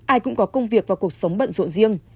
ai cũng có công việc và cuộc sống bận rộ riêng